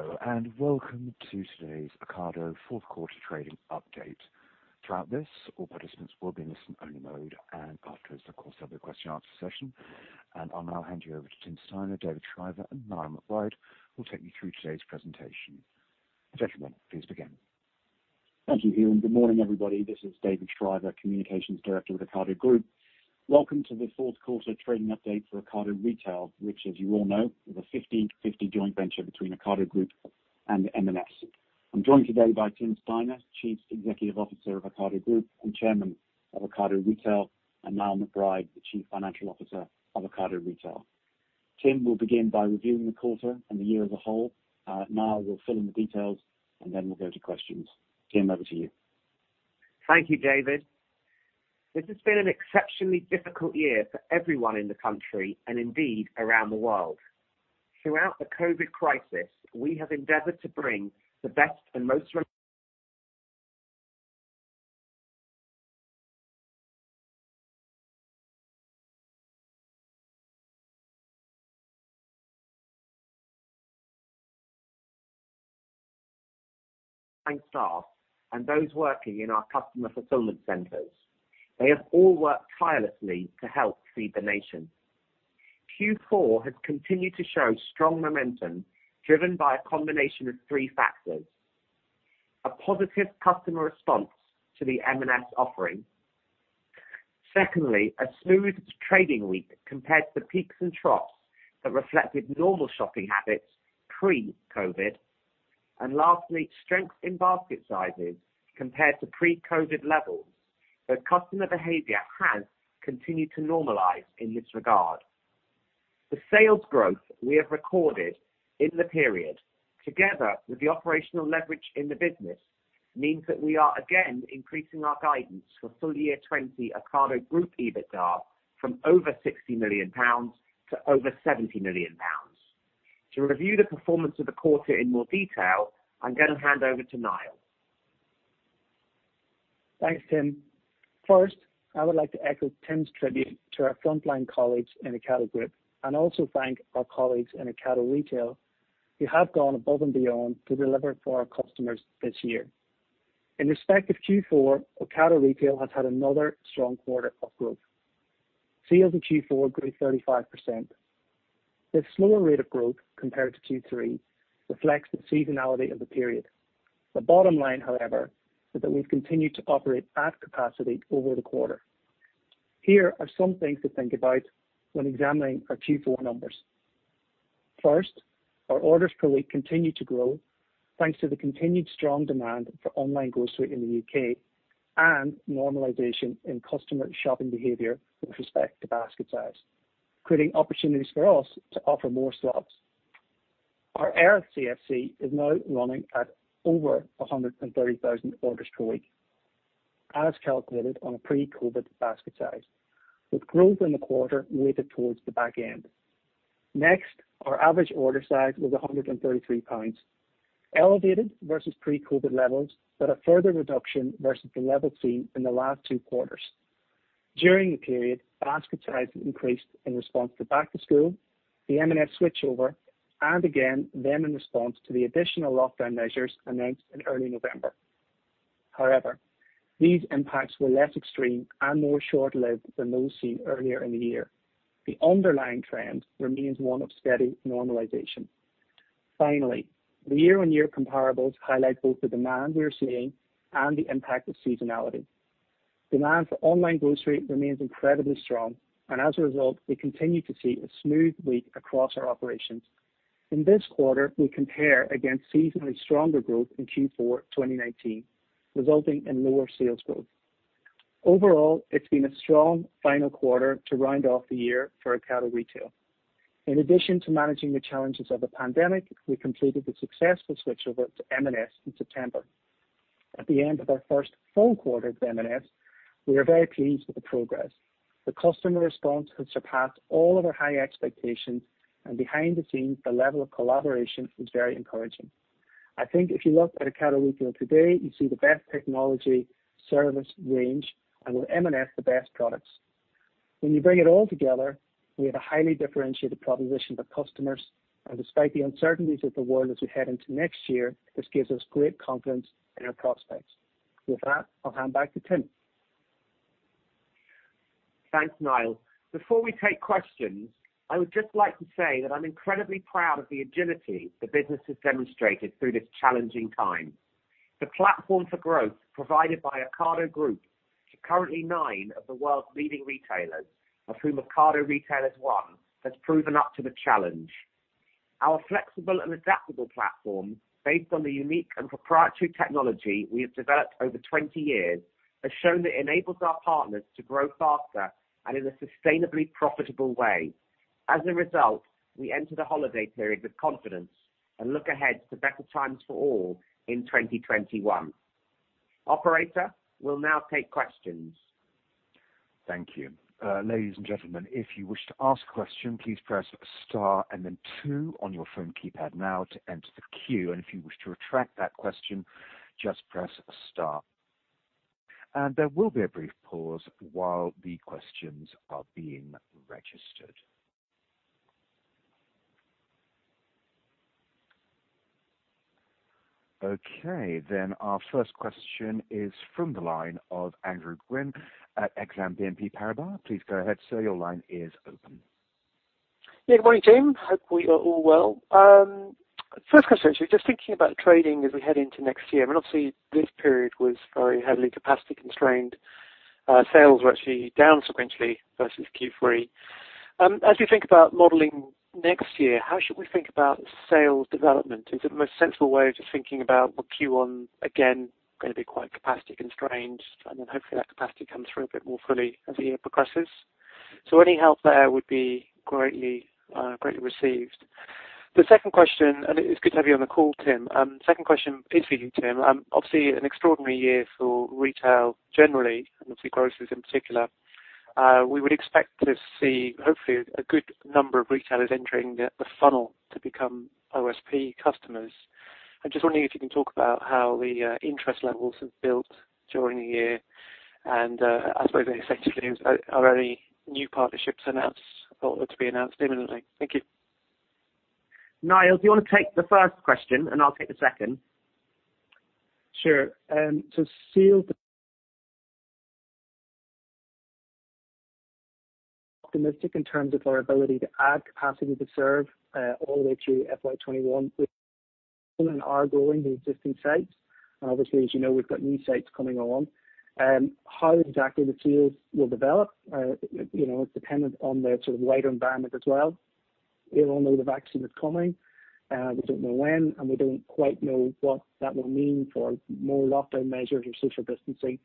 Hello, and welcome to today's Ocado Fourth Quarter Trading Update. Throughout this, all participants will be in listen-only mode, and afterwards, of course, there'll be a question-and-answer session. I'll now hand you over to Tim Steiner, David Shriver, and Melanie Smith, who will take you through today's presentation. Gentlemen, please begin. Thank you, Ian. Good morning, everybody. This is David Shriver, Communications Director with Ocado Group. Welcome to the fourth quarter trading update for Ocado Retail, which, as you all know, is a 50/50 joint venture between Ocado Group and M&S. I'm joined today by Tim Steiner, Chief Executive Officer of Ocado Group and Chairman of Ocado Retail, and Niall McBride, the Chief Financial Officer of Ocado Retail. Tim will begin by reviewing the quarter and the year as a whole. Niall will fill in the details, and then we'll go to questions. Tim, over to you. Thank you, David. This has been an exceptionally difficult year for everyone in the country, and indeed around the world. Throughout the COVID crisis, we have endeavored to bring the best and most staff and those working in our customer fulfillment centers. They have all worked tirelessly to help feed the nation. Q4 has continued to show strong momentum driven by a combination of three factors: a positive customer response to the M&S offering, secondly, a smooth trading week compared to the peaks and troughs that reflected normal shopping habits pre-COVID, and lastly, strength in basket sizes compared to pre-COVID levels. Customer behavior has continued to normalize in this regard. The sales growth we have recorded in the period, together with the operational leverage in the business, means that we are again increasing our guidance for full year 2020 Ocado Group EBITDA from over 60 million pounds to over 70 million pounds. To review the performance of the quarter in more detail, I'm going to hand over to Niall. Thanks, Tim. First, I would like to echo Tim's tribute to our frontline colleagues in Ocado Group and also thank our colleagues in Ocado Retail who have gone above and beyond to deliver for our customers this year. In respect of Q4, Ocado Retail has had another strong quarter up growth. Sales in Q4 grew 35%. This slower rate of growth compared to Q3 reflects the seasonality of the period. The bottom line, however, is that we've continued to operate at capacity over the quarter. Here are some things to think about when examining our Q4 numbers. First, our orders per week continue to grow thanks to the continued strong demand for online grocery in the U.K. and normalization in customer shopping behavior with respect to basket size, creating opportunities for us to offer more slots. Our ERF CFC is now running at over 130,000 orders per week, as calculated on a pre-COVID basket size, with growth in the quarter weighted towards the back end. Next, our average order size was 133 pounds, elevated versus pre-COVID levels, but a further reduction versus the level seen in the last two quarters. During the period, basket sizes increased in response to back-to-school, the M&S switchover, and again, then in response to the additional lockdown measures announced in early November. However, these impacts were less extreme and more short-lived than those seen earlier in the year. The underlying trend remains one of steady normalization. Finally, the year-on-year comparables highlight both the demand we are seeing and the impact of seasonality. Demand for online grocery remains incredibly strong, and as a result, we continue to see a smooth week across our operations. In this quarter, we compare against seasonally stronger growth in Q4 2019, resulting in lower sales growth. Overall, it's been a strong final quarter to round off the year for Ocado Retail. In addition to managing the challenges of the pandemic, we completed the successful switchover to M&S in September. At the end of our first full quarter with M&S, we are very pleased with the progress. The customer response has surpassed all of our high expectations, and behind the scenes, the level of collaboration is very encouraging. I think if you look at Ocado Retail today, you see the best technology, service, range, and with M&S, the best products. When you bring it all together, we have a highly differentiated proposition for customers, and despite the uncertainties of the world as we head into next year, this gives us great confidence in our prospects. With that, I'll hand back to Tim. Thanks, Niall. Before we take questions, I would just like to say that I'm incredibly proud of the agility the business has demonstrated through this challenging time. The platform for growth provided by Ocado Group to currently nine of the world's leading retailers, of whom Ocado Retail is one, has proven up to the challenge. Our flexible and adaptable platform, based on the unique and proprietary technology we have developed over 20 years, has shown that it enables our partners to grow faster and in a sustainably profitable way. As a result, we enter the holiday period with confidence and look ahead to better times for all in 2021. Operator, we'll now take questions. Thank you. Ladies and gentlemen, if you wish to ask a question, please press Star and then Two on your phone keypad now to enter the queue. If you wish to retract that question, just press Star. There will be a brief pause while the questions are being registered. Our first question is from the line of Andrew Gwynne at Exane BNP Paribas. Please go ahead, sir. Your line is open. Yeah, good morning, Tim. Hope we are all well. First question, actually, just thinking about trading as we head into next year. Obviously, this period was very heavily capacity-constrained. Sales were actually down sequentially versus Q3. As we think about modeling next year, how should we think about sales development? Is it the most sensible way of just thinking about, Q1, again, going to be quite capacity-constrained, and then hopefully that capacity comes through a bit more fully as the year progresses? Any help there would be greatly received. The second question, and it's good to have you on the call, Tim. Second question is for you, Tim. Obviously, an extraordinary year for retail generally, and obviously groceries in particular. We would expect to see, hopefully, a good number of retailers entering the funnel to become OSP customers. I'm just wondering if you can talk about how the interest levels have built during the year, and I suppose essentially are any new partnerships to be announced imminently. Thank you. Niall, do you want to take the first question, and I'll take the second? Sure. Seal's optimistic in terms of our ability to add capacity to serve all the way through FY2021. We are growing the existing sites, and obviously, as you know, we've got new sites coming on. How exactly the Seals will develop is dependent on the sort of wider environment as well. We all know the vaccine is coming. We don't know when, and we don't quite know what that will mean for more lockdown measures or social distancing.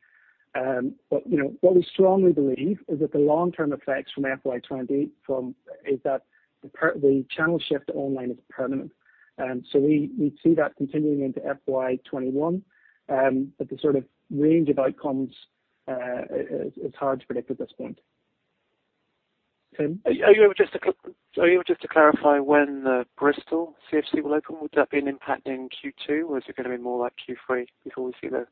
What we strongly believe is that the long-term effects from FY2020 is that the channel shift to online is permanent. We see that continuing into FY2021, but the sort of range of outcomes is hard to predict at this point. Tim? Are you able just to clarify when the Bristol CFC will open? Would that be an impact in Q2, or is it going to be more like Q3 before we see the?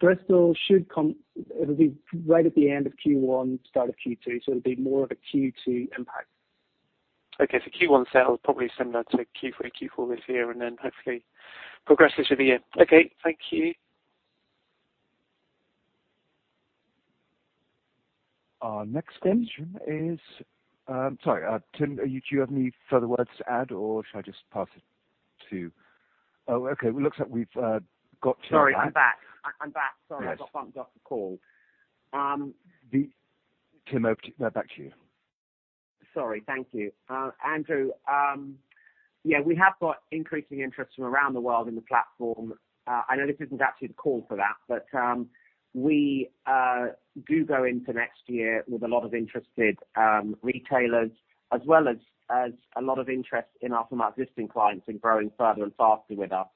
Bristol should come, it'll be right at the end of Q1, start of Q2. It will be more of a Q2 impact. Okay. Q1 sales probably similar to Q3, Q4 this year, and then hopefully progresses through the year. Okay. Thank you. Our next question is, sorry, Tim, do you have any further words to add, or should I just pass it to? Oh, okay. It looks like we've got Tim back. Sorry, I'm back. I'm back. Sorry, I got bumped off the call. Tim, back to you. Sorry. Thank you. Andrew, yeah, we have got increasing interest from around the world in the platform. I know this isn't actually the call for that, but we do go into next year with a lot of interested retailers, as well as a lot of interest in our some existing clients in growing further and faster with us.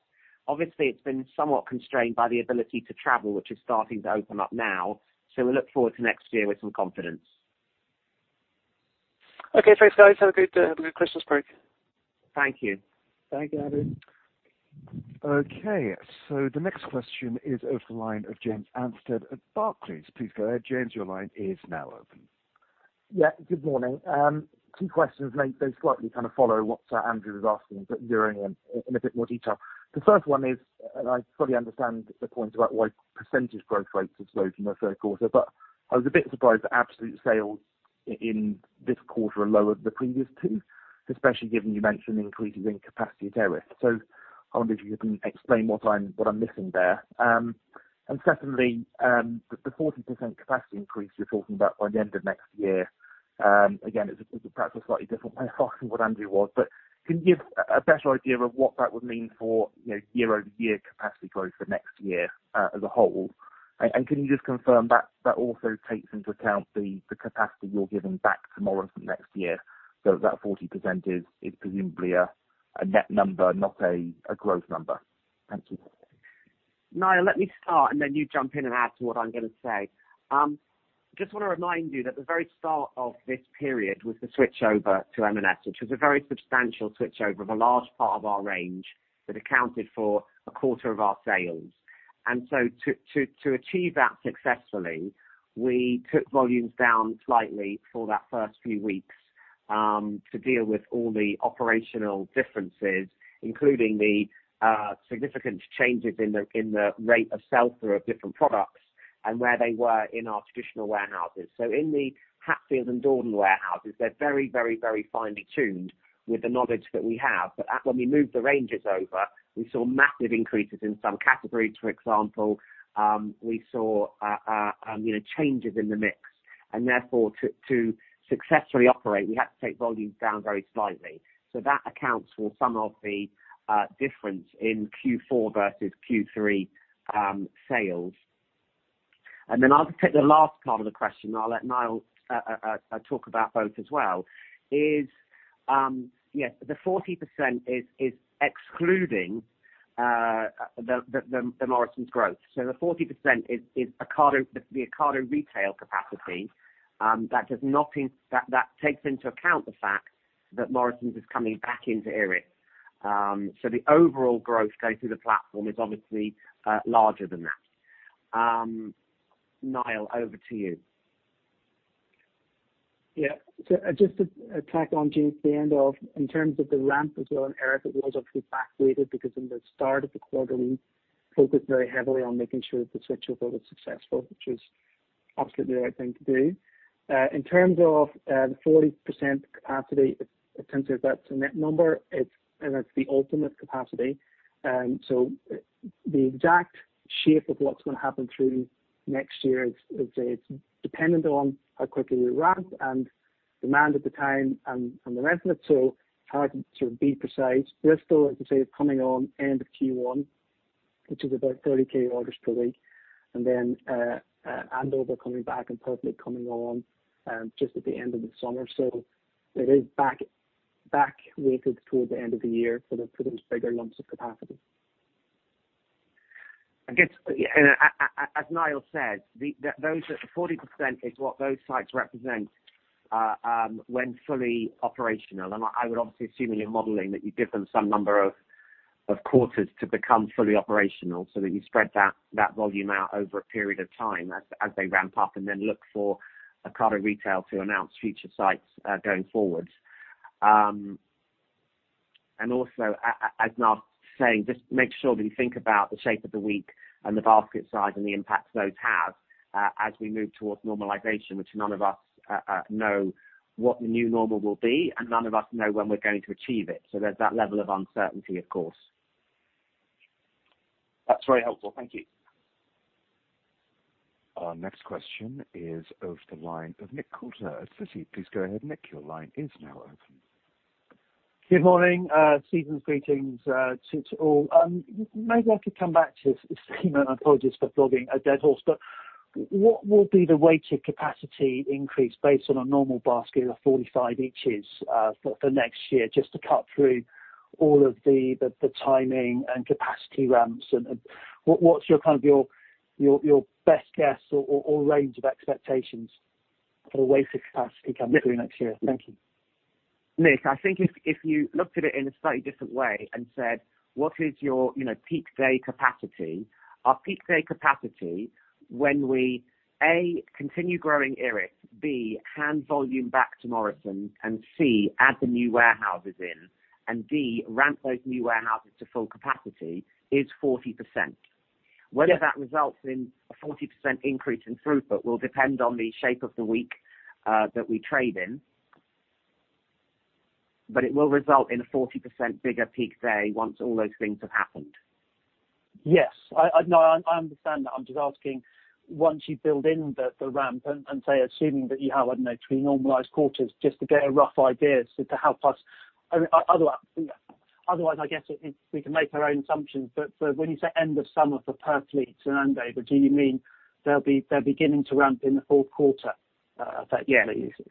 Obviously, it's been somewhat constrained by the ability to travel, which is starting to open up now. We look forward to next year with some confidence. Okay. Thanks, guys. Have a good Christmas break. Thank you. Thank you, Andrew. Okay. The next question is over to the line of James Anstead at Barclays. Please go ahead, James. Your line is now open. Yeah. Good morning. Two questions may slightly kind of follow what Andrew was asking, but zeroing in a bit more detail. The first one is, and I fully understand the point about why percentage growth rates have surged in the third quarter, but I was a bit surprised that absolute sales in this quarter are lower than the previous two, especially given you mentioned increases in capacity tariffs. I wonder if you can explain what I'm missing there. Secondly, the 40% capacity increase you're talking about by the end of next year is perhaps a slightly different way of asking what Andrew was, but can you give a better idea of what that would mean for year-over-year capacity growth for next year as a whole? Can you just confirm that that also takes into account the capacity you're giving back tomorrow for next year? That 40% is presumably a net number, not a growth number. Thank you. Niall, let me start, and then you jump in and add to what I'm going to say. I just want to remind you that the very start of this period was the switchover to M&S, which was a very substantial switchover of a large part of our range that accounted for a quarter of our sales. To achieve that successfully, we took volumes down slightly for that first few weeks to deal with all the operational differences, including the significant changes in the rate of sales through different products and where they were in our traditional warehouses. In the Hatfield and Dordon warehouses, they're very, very, very finely tuned with the knowledge that we have. When we moved the ranges over, we saw massive increases in some categories. For example, we saw changes in the mix. Therefore, to successfully operate, we had to take volumes down very slightly. That accounts for some of the difference in Q4 versus Q3 sales. I'll just take the last part of the question, and I'll let Niall talk about both as well. Yes, the 40% is excluding the Morrisons' growth. The 40% is the Ocado Retail capacity that takes into account the fact that Morrisons is coming back into Erith. The overall growth going through the platform is obviously larger than that. Niall, over to you. Yeah. Just to tack on to the end of, in terms of the ramp as well in Erith, it was obviously back-weighted because at the start of the quarter, we focused very heavily on making sure that the switchover was successful, which was absolutely the right thing to do. In terms of the 40% capacity, essentially that's a net number, and that's the ultimate capacity. The exact shape of what's going to happen through next year is dependent on how quickly we ramp and demand at the time and the rest of it. It's hard to sort of be precise. Bristol, as you say, is coming on end of Q1, which is about 30,000 orders per week, and then Andover coming back and Purley coming on just at the end of the summer. It is back-weighted towards the end of the year for those bigger lumps of capacity. As Niall said, the 40% is what those sites represent when fully operational. I would obviously assume in your modeling that you give them some number of quarters to become fully operational so that you spread that volume out over a period of time as they ramp up and then look for Ocado Retail to announce future sites going forward. Also, as Niall's saying, just make sure that you think about the shape of the week and the basket size and the impact those have as we move towards normalization, which none of us know what the new normal will be, and none of us know when we're going to achieve it. There is that level of uncertainty, of course. That's very helpful. Thank you. Our next question is over to the line of Nick Coulter at Citi. Please go ahead, Nick. Your line is now open. Good morning. Season's greetings to all. Maybe I could come back to this statement. My apologies for flogging a dead horse, but what will be the weighted capacity increase based on a normal basket of 45 inches for next year, just to cut through all of the timing and capacity ramps? What is kind of your best guess or range of expectations for the weighted capacity coming through next year? Thank you. Nick, I think if you looked at it in a slightly different way and said, "What is your peak day capacity?" Our peak day capacity when we, A, continue growing Erith, B, hand volume back to Morrisons, and C, add the new warehouses in, and D, ramp those new warehouses to full capacity, is 40%. Whether that results in a 40% increase in throughput will depend on the shape of the week that we trade in, but it will result in a 40% bigger peak day once all those things have happened. Yes. No, I understand that. I'm just asking, once you build in the ramp and say, assuming that you have, I don't know, three normalized quarters, just to get a rough idea to help us. Otherwise, I guess we can make our own assumptions, but when you say end of summer for Purley and Andover, do you mean they're beginning to ramp in the fourth quarter effectively? Yeah. Yeah. Okay. Bye.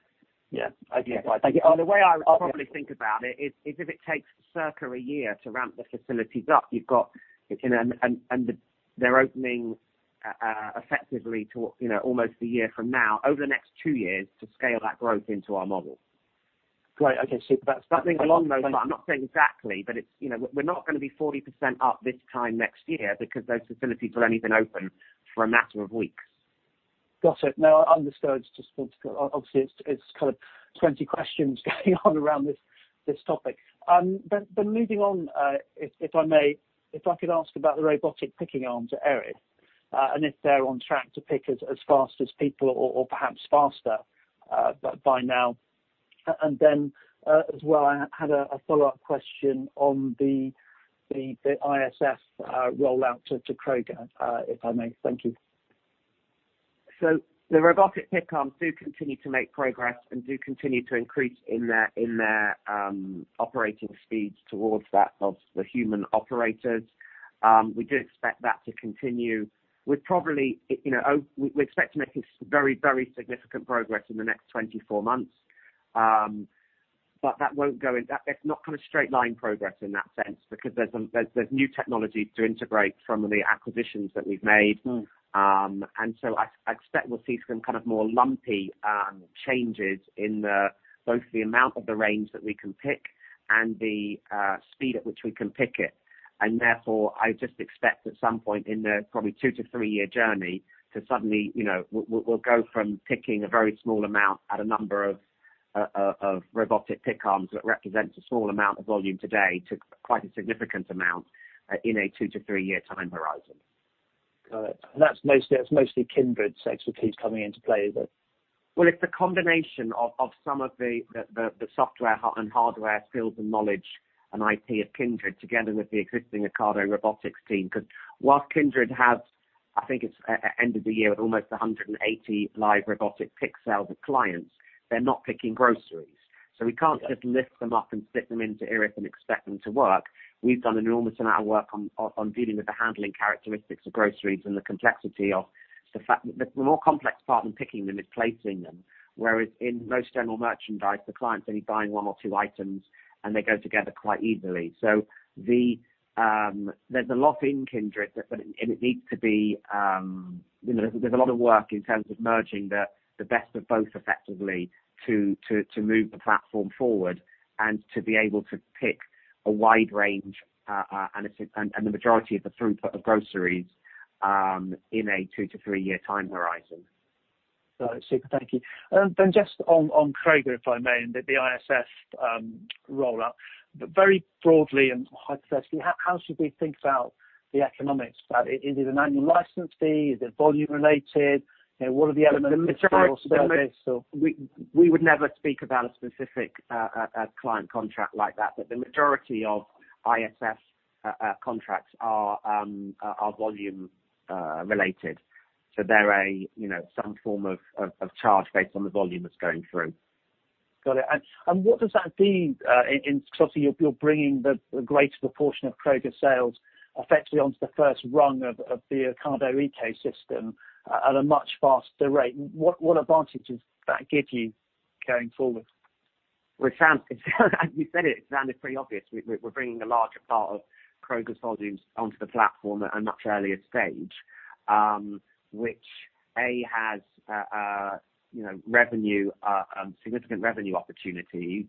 The way I would probably think about it is if it takes circa a year to ramp the facilities up, you've got they're opening effectively to almost a year from now, over the next two years to scale that growth into our model. Great. Okay. That is about. Something along those lines. I'm not saying exactly, but we're not going to be 40% up this time next year because those facilities will only have been open for a matter of weeks. Got it. No, I understood. Obviously, it's kind of 20 questions going on around this topic. Moving on, if I may, if I could ask about the robotic picking arms at Erith and if they're on track to pick as fast as people or perhaps faster by now. I had a follow-up question on the OSP rollout to Kroger, if I may. Thank you. The robotic pick arms do continue to make progress and do continue to increase in their operating speeds towards that of the human operators. We do expect that to continue. We expect to make very, very significant progress in the next 24 months, but that will not go in that there is not kind of straight line progress in that sense because there are new technologies to integrate from the acquisitions that we have made. I expect we will see some kind of more lumpy changes in both the amount of the range that we can pick and the speed at which we can pick it. I just expect at some point in the probably two- to three-year journey to suddenly we'll go from picking a very small amount at a number of robotic pick arms that represent a small amount of volume today to quite a significant amount in a two- to three-year time horizon. Got it. That's mostly Kindred's expertise coming into play, is it? It's a combination of some of the software and hardware skills and knowledge and IT of Kindred together with the existing Ocado Robotics team. Because whilst Kindred has, I think it's end of the year with almost 180 live robotic pick cells at clients, they're not picking groceries. We can't just lift them up and fit them into Erith and expect them to work. We've done an enormous amount of work on dealing with the handling characteristics of groceries and the complexity of the more complex part than picking them is placing them. Whereas in most general merchandise, the client's only buying one or two items, and they go together quite easily. There is a lot in Kindred, and it needs to be. There is a lot of work in terms of merging the best of both effectively to move the platform forward and to be able to pick a wide range and the majority of the throughput of groceries in a two- to three-year time horizon. Got it. Super. Thank you. Just on Kroger, if I may, and the ISF rollout, very broadly and hypothetically, how should we think about the economics? Is it an annual license fee? Is it volume related? What are the elements of the service? We would never speak about a specific client contract like that, but the majority of ISF contracts are volume related. They are some form of charge based on the volume that is going through. Got it. What does that mean? Because obviously, you're bringing the greater proportion of Kroger sales effectively onto the first rung of the Ocado ecosystem at a much faster rate. What advantages does that give you going forward? It sounds, as you said it, it sounded pretty obvious. We're bringing a larger part of Kroger's volumes onto the platform at a much earlier stage, which, A, has significant revenue opportunities.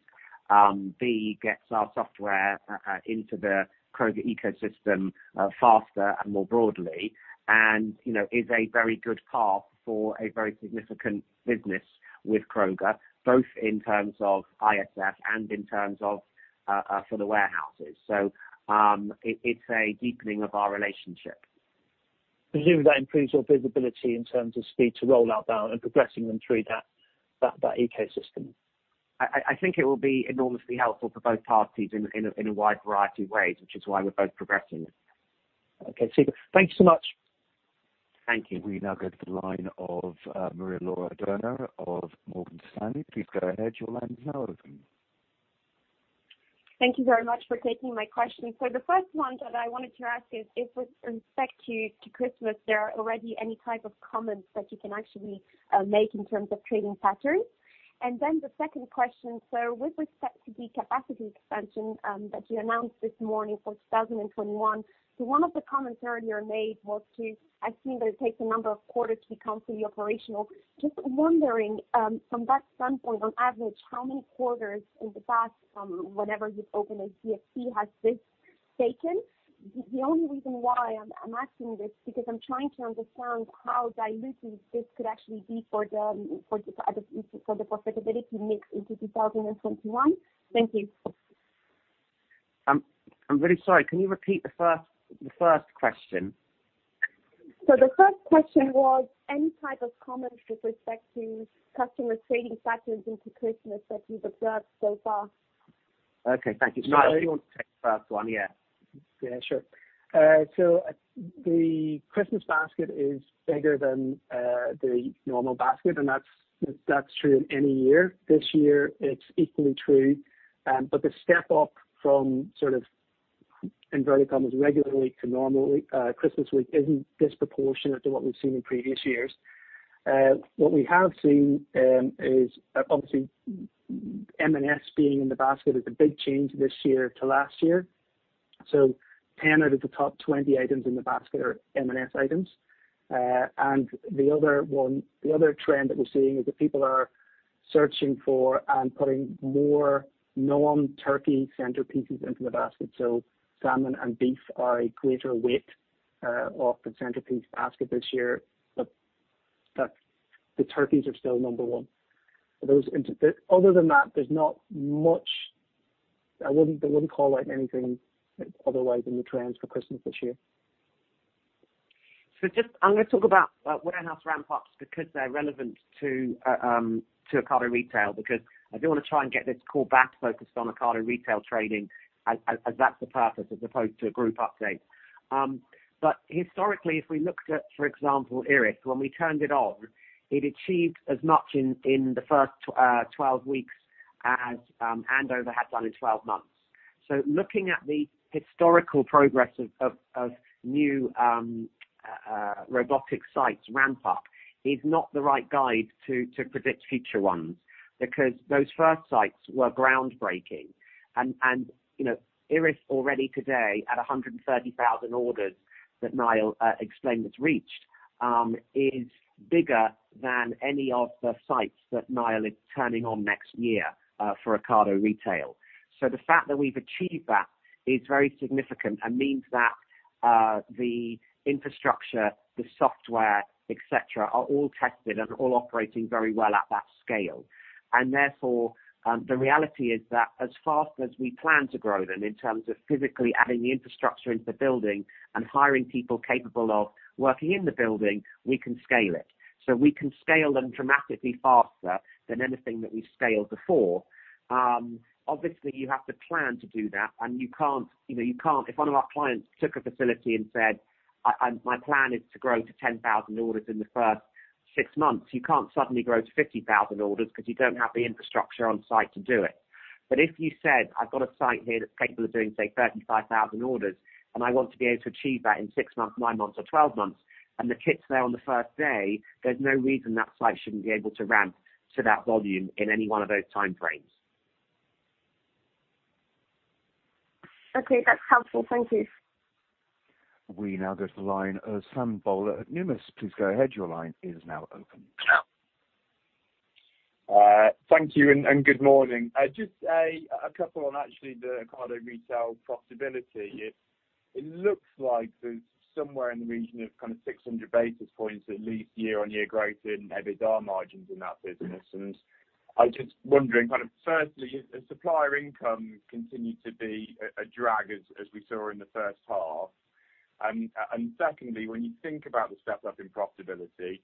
B, gets our software into the Kroger ecosystem faster and more broadly, and is a very good path for a very significant business with Kroger, both in terms of ISF and in terms of for the warehouses. It is a deepening of our relationship. Presumably, that improves your visibility in terms of speed to rollout and progressing them through that ecosystem. I think it will be enormously helpful for both parties in a wide variety of ways, which is why we're both progressing it. Okay. Super. Thank you so much. Thank you. We now go to the line of Maria Laura Derner of Morgan Stanley. Please go ahead. Your line is now open. Thank you very much for taking my questions. The first one that I wanted to ask is, with respect to Christmas, are there already any type of comments that you can actually make in terms of trading patterns? The second question, with respect to the capacity expansion that you announced this morning for 2021, one of the comments earlier made was, as seen, that it takes a number of quarters to become fully operational. Just wondering, from that standpoint, on average, how many quarters in the past, whenever you've opened a CFC, has this taken? The only reason why I'm asking this is because I'm trying to understand how diluted this could actually be for the profitability mix into 2021. Thank you. I'm very sorry. Can you repeat the first question? The first question was, any type of comments with respect to customers' trading patterns into Christmas that you've observed so far? Okay. Thank you. Niall, if you want to take the first one, yeah. Yeah. Sure. The Christmas basket is bigger than the normal basket, and that's true in any year. This year, it's equally true. The step up from sort of, in inverted commas, regular week to normal week, Christmas week, isn't disproportionate to what we've seen in previous years. What we have seen is, obviously, M&S being in the basket is a big change this year to last year. Ten out of the top 20 items in the basket are M&S items. The other trend that we're seeing is that people are searching for and putting more non-turkey centerpieces into the basket. Salmon and beef are a greater weight of the centerpiece basket this year, but the turkeys are still number one. Other than that, there's not much I wouldn't call out anything otherwise in the trends for Christmas this year. I am going to talk about warehouse ramp-ups because they are relevant to Ocado Retail. I do want to try and get this call back focused on Ocado Retail trading as that is the purpose as opposed to a group update. Historically, if we looked at, for example, Erith, when we turned it on, it achieved as much in the first 12 weeks as Andover had done in 12 months. Looking at the historical progress of new robotic sites ramp-up is not the right guide to predict future ones because those first sites were groundbreaking. Erith already today at 130,000 orders that Niall explained has reached is bigger than any of the sites that Niall is turning on next year for Ocado Retail. The fact that we've achieved that is very significant and means that the infrastructure, the software, etc., are all tested and all operating very well at that scale. Therefore, the reality is that as fast as we plan to grow them in terms of physically adding the infrastructure into the building and hiring people capable of working in the building, we can scale it. We can scale them dramatically faster than anything that we've scaled before. Obviously, you have to plan to do that, and you can't if one of our clients took a facility and said, "My plan is to grow to 10,000 orders in the first six months," you can't suddenly grow to 50,000 orders because you don't have the infrastructure on site to do it. If you said, "I've got a site here that's capable of doing, say, 35,000 orders, and I want to be able to achieve that in 6 months, 9 months, or 12 months," and the kit's there on the first day, there's no reason that site shouldn't be able to ramp to that volume in any one of those time frames. Okay. That's helpful. Thank you. We now go to the line of Sam Bowler at Deutsche Numis. Please go ahead. Your line is now open. Thank you and good morning. Just a couple on actually the Ocado Retail profitability. It looks like there's somewhere in the region of kind of 600 basis points at least year-on-year growth in EBITDA margins in that business. I'm just wondering, kind of firstly, has supplier income continued to be a drag as we saw in the first half? Secondly, when you think about the step up in profitability,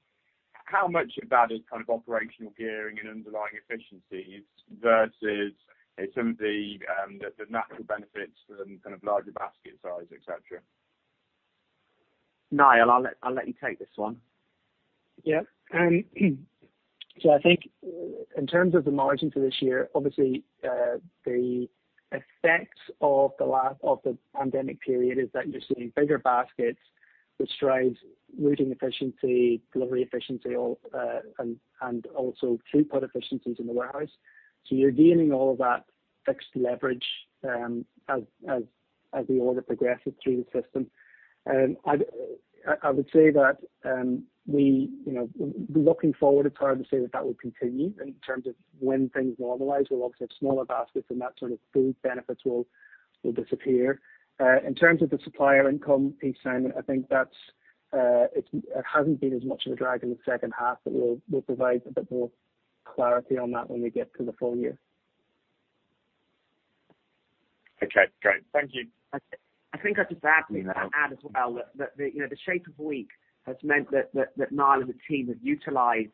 how much of that is kind of operational gearing and underlying efficiencies versus some of the natural benefits from kind of larger basket size, etc.? Niall, I'll let you take this one. Yeah. I think in terms of the margin for this year, obviously, the effect of the pandemic period is that you're seeing bigger baskets, which drives routing efficiency, delivery efficiency, and also throughput efficiencies in the warehouse. You're gaining all of that fixed leverage as the order progresses through the system. I would say that looking forward, it's hard to say that that will continue in terms of when things normalize. We'll obviously have smaller baskets, and that sort of boost benefits will disappear. In terms of the supplier income piece, Simon, I think it hasn't been as much of a drag in the second half, but we'll provide a bit more clarity on that when we get to the full year. Okay. Great. Thank you. I think I'll just add as well that the shape of week has meant that Niall and the team have utilized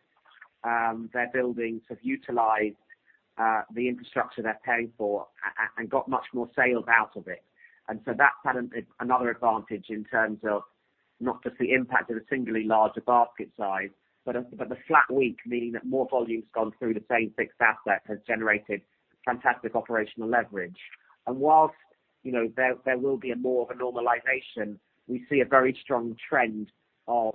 their buildings, have utilized the infrastructure they're paying for, and got much more sales out of it. That is another advantage in terms of not just the impact of a singly larger basket size, but the flat week, meaning that more volume's gone through the same fixed asset, has generated fantastic operational leverage. Whilst there will be more of a normalization, we see a very strong trend of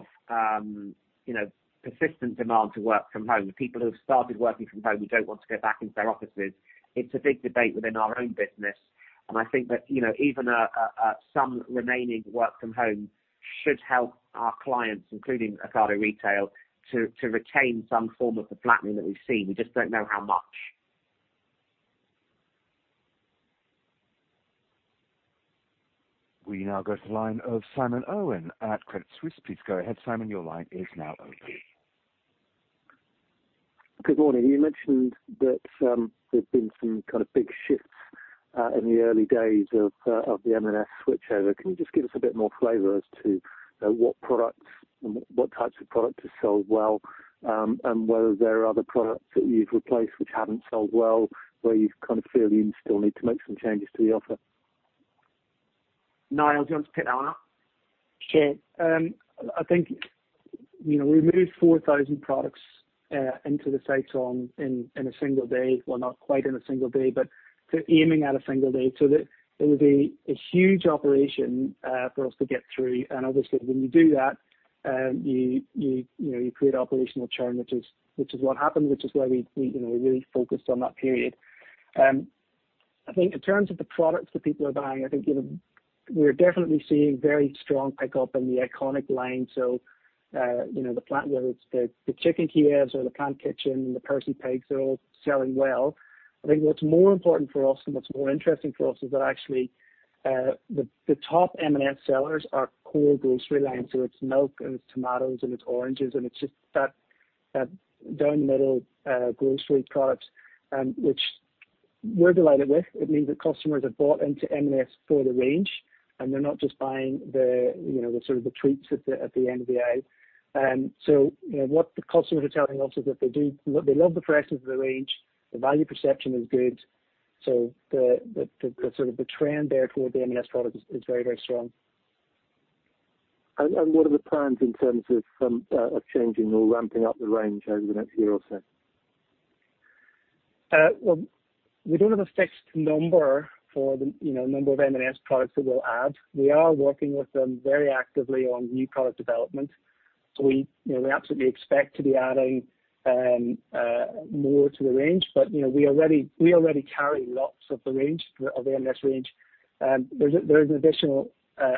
persistent demand to work from home. The people who have started working from home who don't want to go back into their offices, it's a big debate within our own business. I think that even some remaining work from home should help our clients, including Ocado Retail, to retain some form of the flattening that we've seen. We just don't know how much. We now go to the line of Simon Owen at Credit Suisse. Please go ahead, Simon. Your line is now open. Good morning. You mentioned that there's been some kind of big shifts in the early days of the M&S switchover. Can you just give us a bit more flavor as to what products and what types of products have sold well and whether there are other products that you've replaced which haven't sold well, where you kind of feel you still need to make some changes to the offer? Niall, do you want to pick that one up? Sure. I think we moved 4,000 products into the sites in a single day. Not quite in a single day, but aiming at a single day. It was a huge operation for us to get through. Obviously, when you do that, you create an operational churn, which is what happened, which is why we really focused on that period. I think in terms of the products that people are buying, I think we're definitely seeing very strong pickup in the iconic line. The chicken Kievs or the Plant Kitchen and the Percy Pigs are all selling well. I think what's more important for us and what's more interesting for us is that actually the top M&S sellers are core grocery lines. It's milk and it's tomatoes and it's oranges and it's just that down-the-middle grocery product, which we're delighted with. It means that customers have bought into M&S for the range, and they're not just buying the sort of the treats at the end of the day. What the customers are telling us is that they love the freshness of the range. The value perception is good. The trend there for the M&S product is very, very strong. What are the plans in terms of changing or ramping up the range over the next year or so? We do not have a fixed number for the number of M&S products that we will add. We are working with them very actively on new product development. We absolutely expect to be adding more to the range, but we already carry lots of the range, of the M&S range. There is an additional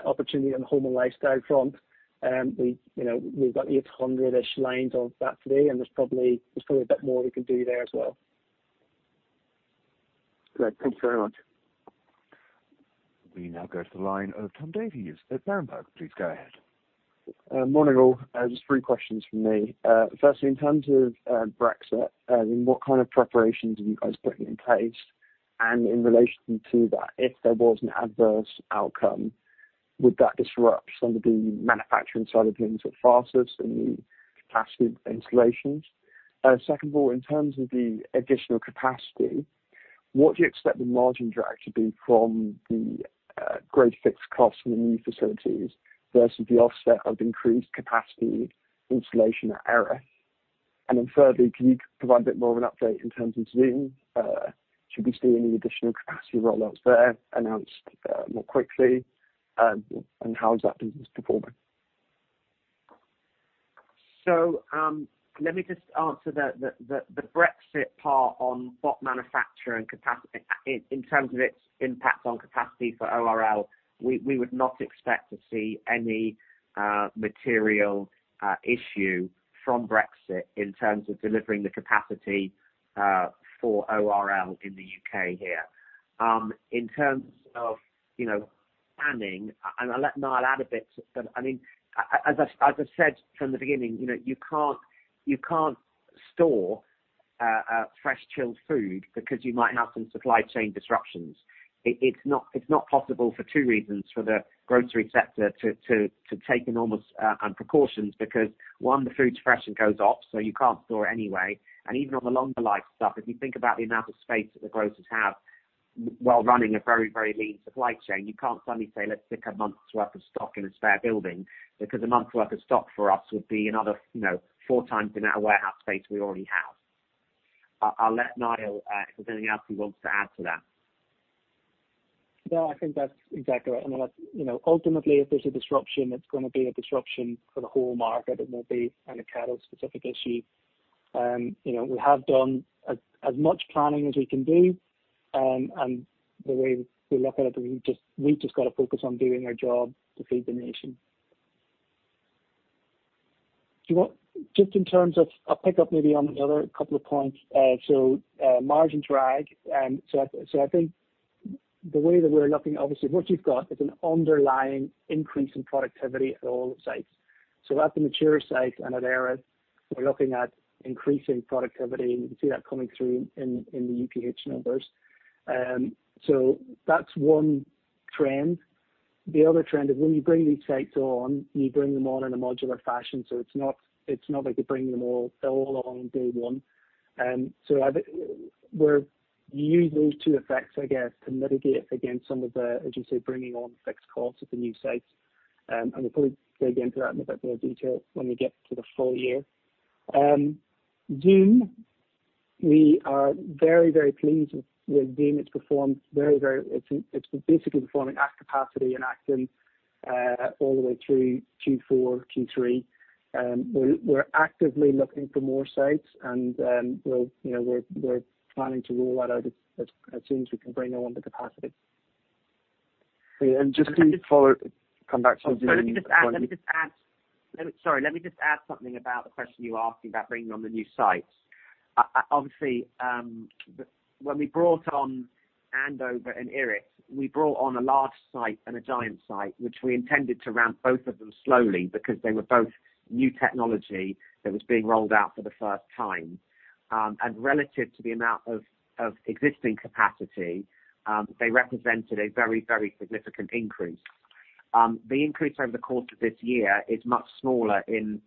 opportunity on the home and lifestyle front. We have 800-ish lines of that today, and there is probably a bit more we can do there as well. Great. Thank you very much. We now go to the line of Tom Davies at Berenberg. Please go ahead. Morning, all. Just three questions from me. Firstly, in terms of Brexit, what kind of preparations are you guys putting in place? In relation to that, if there was an adverse outcome, would that disrupt some of the manufacturing side of things at FASTES and the capacity installations? Second of all, in terms of the additional capacity, what do you expect the margin drag to be from the great fixed costs in the new facilities versus the offset of increased capacity installation at Erith? Thirdly, can you provide a bit more of an update in terms of Zoom? Should we see any additional capacity rollouts there announced more quickly? How is that business performing? Let me just answer the Brexit part on what manufacturer and capacity in terms of its impact on capacity for ORL. We would not expect to see any material issue from Brexit in terms of delivering the capacity for ORL in the U.K. here. In terms of planning, and I'll let Niall add a bit, but I mean, as I said from the beginning, you can't store fresh chilled food because you might have some supply chain disruptions. It's not possible for two reasons for the grocery sector to take enormous precautions because, one, the food's fresh and goes off, so you can't store it anyway. Even on the longer life stuff, if you think about the amount of space that the grocers have while running a very, very lean supply chain, you can't suddenly say, "Let's stick a month's worth of stock in a spare building," because a month's worth of stock for us would be another four times the amount of warehouse space we already have. I'll let Niall if there's anything else he wants to add to that. No, I think that's exactly right. I mean, ultimately, if there's a disruption, it's going to be a disruption for the whole market. It won't be a cattle-specific issue. We have done as much planning as we can do, and the way we look at it, we've just got to focus on doing our job to feed the nation. Just in terms of I'll pick up maybe on the other couple of points. Margin drag. I think the way that we're looking, obviously, what you've got is an underlying increase in productivity at all the sites. At the mature sites and at Erith, we're looking at increasing productivity, and you can see that coming through in the U.K. numbers. That's one trend. The other trend is when you bring these sites on, you bring them on in a modular fashion. It is not like you are bringing them all on day one. We use those two effects, I guess, to mitigate against some of the, as you say, bringing on fixed costs at the new sites. We will probably dig into that in a bit more detail when we get to the full year. Zoom, we are very, very pleased with Zoom. It has performed very, very, it is basically performing at capacity and acting all the way through Q4, Q3. We are actively looking for more sites, and we are planning to roll that out as soon as we can bring on the capacity. Just to follow, come back to Zoom. Sorry, let me just add something about the question you asked about bringing on the new sites. Obviously, when we brought on Andover and Erith, we brought on a large site and a giant site, which we intended to ramp both of them slowly because they were both new technology that was being rolled out for the first time. Relative to the amount of existing capacity, they represented a very, very significant increase. The increase over the course of this year is much smaller in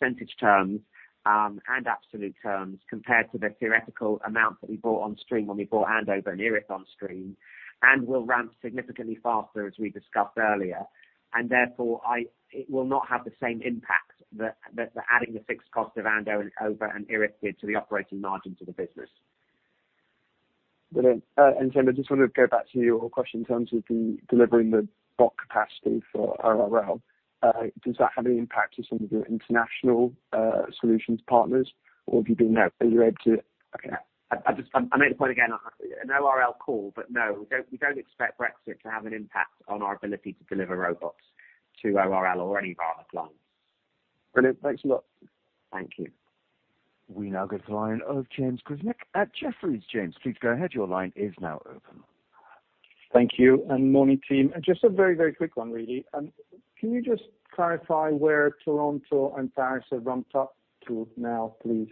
percentage terms and absolute terms compared to the theoretical amount that we brought on stream when we brought Andover and Erith on stream. We will ramp significantly faster as we discussed earlier. Therefore, it will not have the same impact that adding the fixed cost of Andover and Erith did to the operating margin to the business. Brilliant. Simon, I just want to go back to your question in terms of delivering the bot capacity for ORL. Does that have any impact on some of your international solutions partners, or have you been able to? Okay. I'll make the point again. An ORL call, but no, we don't expect Brexit to have an impact on our ability to deliver robots to ORL or any of our other clients. Brilliant. Thanks a lot. Thank you. We now go to the line of James Lockyer at Jefferies. James, please go ahead. Your line is now open. Thank you. Morni`ng, team. Just a very, very quick one, really. Can you just clarify where Toronto and Paris have ramped up to now, please?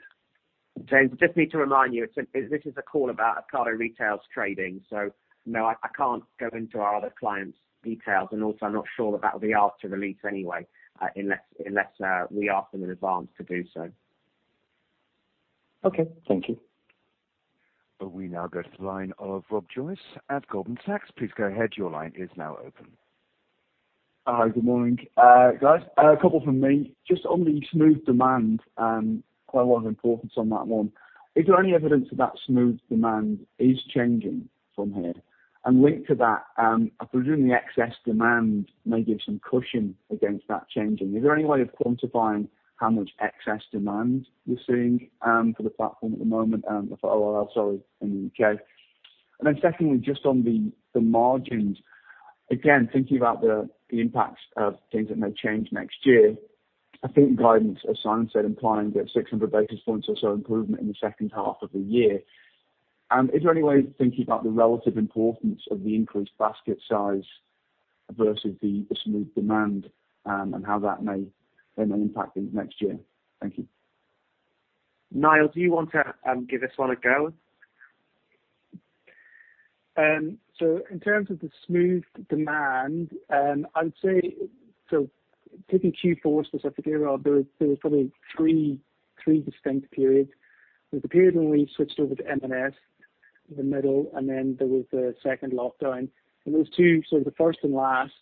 James, just need to remind you, this is a call about Ocado Retail's trading. No, I can't go into our other clients' details. Also, I'm not sure that that will be asked to release anyway unless we ask them in advance to do so. Okay. Thank you. We now go to the line of Rob Joyce at Goldman Sachs. Please go ahead. Your line is now open. Hi, good morning, guys. A couple from me. Just on the smooth demand, quite a lot of importance on that one. Is there any evidence that that smooth demand is changing from here? Linked to that, I presume the excess demand may give some cushion against that changing. Is there any way of quantifying how much excess demand we're seeing for the platform at the moment for ORL, sorry, in the U.K.? Secondly, just on the margins, again, thinking about the impacts of things that may change next year, I think guidance, as Simon said, implying that 600 basis points or so improvement in the second half of the year. Is there any way of thinking about the relative importance of the increased basket size versus the smooth demand and how that may impact things next year? Thank you. Niall, do you want to give this one a go? In terms of the smooth demand, I would say, taking Q4 specifically, there were probably three distinct periods. There was a period when we switched over to M&S in the middle, and then there was the second lockdown. Those two, sort of the first and last,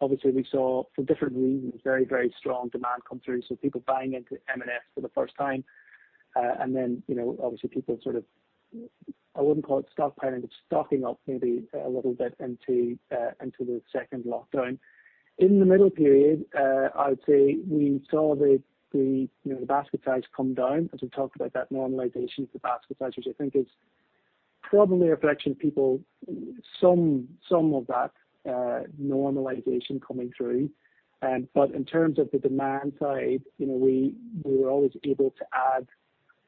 obviously, we saw for different reasons, very, very strong demand come through. People buying into M&S for the first time. Obviously, people sort of, I would not call it stockpiling, but stocking up maybe a little bit into the second lockdown. In the middle period, I would say we saw the basket size come down. As we talked about, that normalization of the basket size, which I think is probably a reflection of some of that normalization coming through. In terms of the demand side, we were always able to add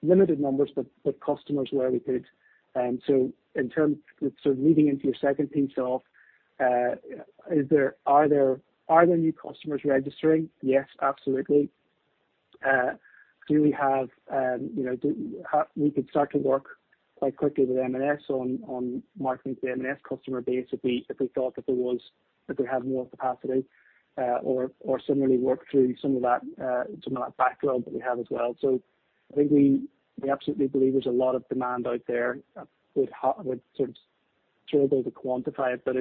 limited numbers, but customers where we could. In terms of sort of leading into your second piece of, are there new customers registering? Yes, absolutely. We could start to work quite quickly with M&S on marketing to the M&S customer base if we thought that they have more capacity or similarly work through some of that backlog that we have as well. I think we absolutely believe there's a lot of demand out there. I would sort of struggle to quantify it, but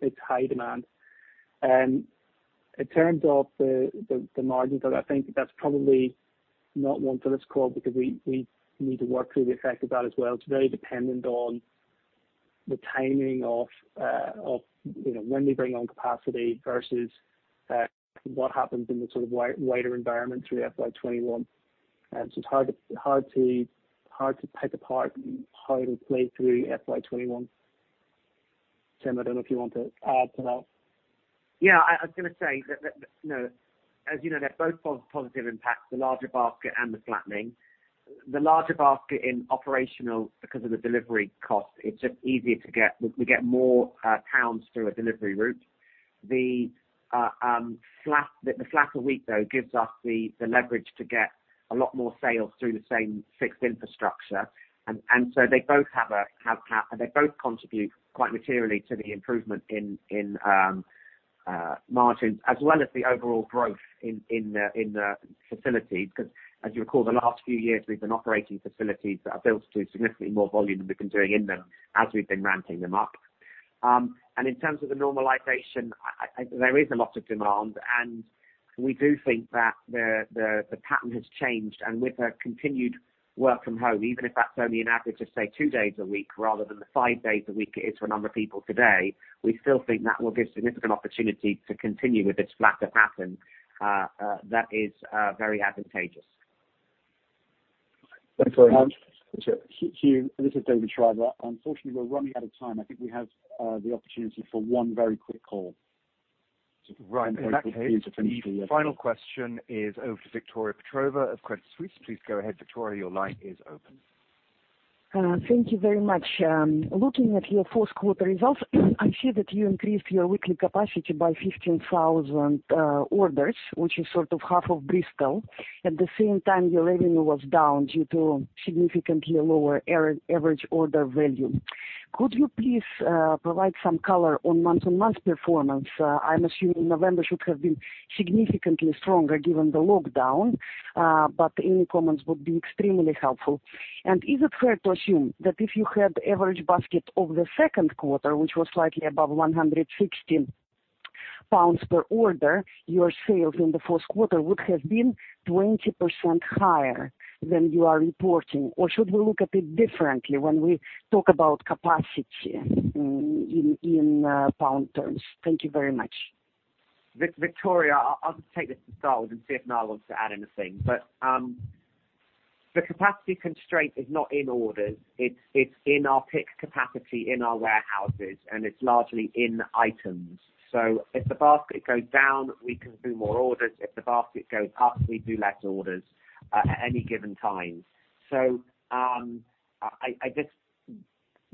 it's high demand. In terms of the margins, I think that's probably not one for this call because we need to work through the effect of that as well. It's very dependent on the timing of when we bring on capacity versus what happens in the sort of wider environment through FY2021. It's hard to pick apart how it will play through FY2021. Tim, I don't know if you want to add to that. Yeah, I was going to say that, no, as you know, they're both positive impacts, the larger basket and the flattening. The larger basket in operational, because of the delivery cost, it's just easier to get we get more pounds through a delivery route. The flatter week, though, gives us the leverage to get a lot more sales through the same fixed infrastructure. They both have a they both contribute quite materially to the improvement in margins as well as the overall growth in the facilities. Because as you recall, the last few years, we've been operating facilities that are built to significantly more volume than we've been doing in them as we've been ramping them up. In terms of the normalization, there is a lot of demand. We do think that the pattern has changed. With the continued work from home, even if that's only an average of, say, two days a week rather than the five days a week it is for a number of people today, we still think that will give significant opportunity to continue with this flatter pattern that is very advantageous. Thanks very much. This is David Shriver. Unfortunately, we're running out of time. I think we have the opportunity for one very quick call. Right. In that case, final question is over to Victoria Petrova of Credit Suisse. Please go ahead, Victoria. Your line is open. Thank you very much. Looking at your fourth quarter results, I see that you increased your weekly capacity by 15,000 orders, which is sort of half of Bristol. At the same time, your revenue was down due to significantly lower average order value. Could you please provide some color on month-on-month performance? I'm assuming November should have been significantly stronger given the lockdown, but any comments would be extremely helpful. Is it fair to assume that if you had average basket of the second quarter, which was slightly above 160 pounds per order, your sales in the fourth quarter would have been 20% higher than you are reporting? Or should we look at it differently when we talk about capacity in pound terms? Thank you very much. Victoria, I'll just take this and start with and see if Niall wants to add anything. The capacity constraint is not in orders. It's in our pick capacity in our warehouses, and it's largely in items. If the basket goes down, we can do more orders. If the basket goes up, we do less orders at any given time. I'm just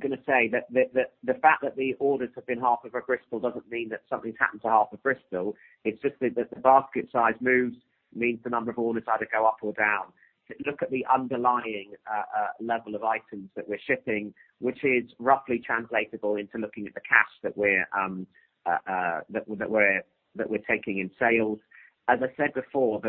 going to say that the fact that the orders have been half of a Bristol doesn't mean that something's happened to half of Bristol. It's just that the basket size moves means the number of orders either go up or down. Look at the underlying level of items that we're shipping, which is roughly translatable into looking at the cash that we're taking in sales. As I said before,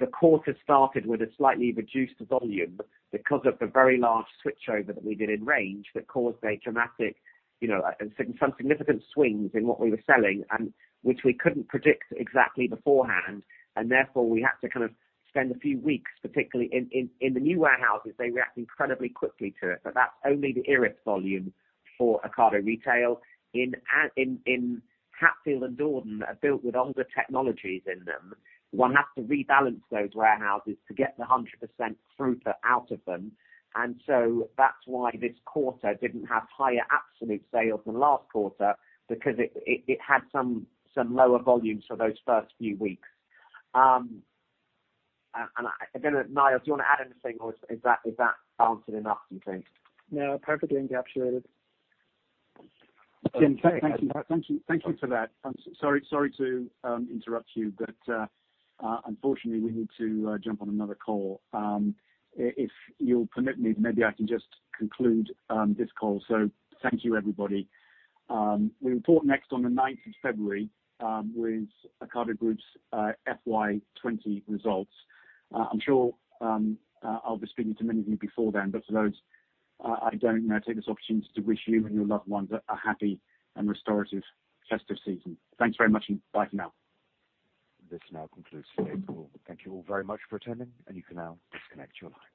the quarter started with a slightly reduced volume because of the very large switchover that we did in range that caused a dramatic and some significant swings in what we were selling, which we could not predict exactly beforehand. Therefore, we had to kind of spend a few weeks, particularly in the new warehouses, they react incredibly quickly to it. That is only the Erith volume for Ocado Retail. In Hatfield and Dordon, that are built with older technologies in them, one has to rebalance those warehouses to get the 100% throughput out of them. That is why this quarter did not have higher absolute sales than last quarter because it had some lower volume for those first few weeks. I do not know, Niall, do you want to add anything, or is that answered enough, do you think? No, perfectly encapsulated. Thank you for that. Sorry to interrupt you, but unfortunately, we need to jump on another call. If you'll permit me, maybe I can just conclude this call. Thank you, everybody. We report next on the 9th of February with Ocado Group's FY2020 Results. I'm sure I'll be speaking to many of you before then, but for those I don't, I now take this opportunity to wish you and your loved ones a happy and restorative festive season. Thanks very much, and bye for now. This now concludes today's call. Thank you all very much for attending, and you can now disconnect your lines.